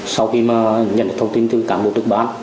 sau khi mà nhận được thông tin từ cảnh bộ đức bán